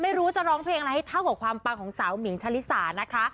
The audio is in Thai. ไม่รู้จะร้องเพลงอะไรให้เท่ากับความปังของสาวหมิงชะลิสานะคะ